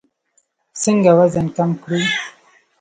څنګه وزن کم کړو؟